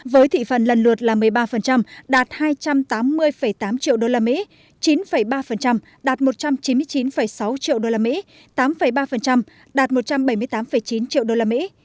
với thị phần lần lượt là một mươi ba đạt hai trăm tám mươi tám triệu đô la mỹ chín ba đạt một trăm chín mươi chín sáu triệu đô la mỹ tám ba đạt một trăm bảy mươi tám chín triệu đô la mỹ